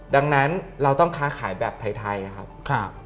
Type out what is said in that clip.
ดังนั้นเราต้องค้าขายแบบไทยครับ